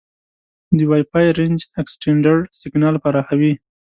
د وای فای رینج اکسټینډر سیګنال پراخوي.